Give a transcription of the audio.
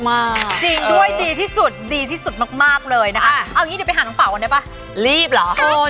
จริงด้วยดีที่สุดดีที่สุดมากเลยนะคะ